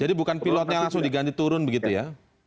jadi bukan pilotnya langsung diganti turun begitu ya